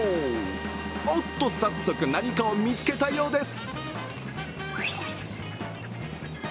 おっと、早速何かを見つけたようです。